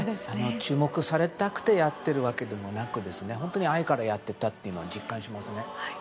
注目されたくてやっているわけでなく本当に愛からやっていたと実感しますね。